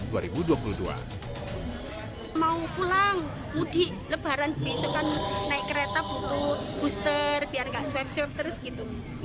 mau pulang mudik lebaran besok kan naik kereta butuh booster biar nggak swab swab terus gitu